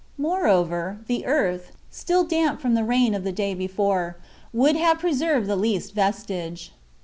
Moreover, the earth, still damp from the rain of the day before, would have preserved the least vestige.